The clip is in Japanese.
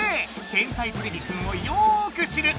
「天才てれびくん」をよく知るおれさま